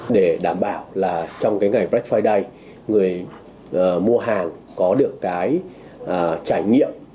để đảm bảo trong ngày brexit day người mua hàng có được trải nghiệm